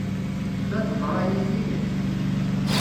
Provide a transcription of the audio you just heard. Ta teḍra-iyi i nekk.